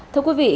thưa quý vị